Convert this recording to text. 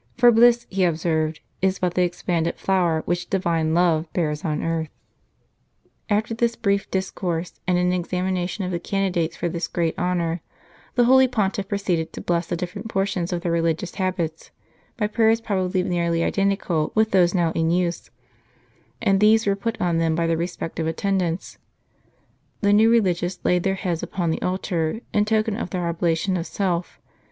For bliss, he observed, is but the expanded flower which Divine love bears on earth. * "Jesus the virgin's crown," the hymn for virgins. ^a ^ After this brief discourse, and an examination of the candi dates for this great honor, the holy Pontiff proceeded to bless the different portions of their religious habits, by prayers j^rob ably nearly identical with those now in use ; and these were put on them by their respective attendants. The new religious laid their heads upon the altar, in token of their oblation of self.